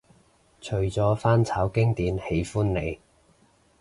除咗翻炒經典喜歡你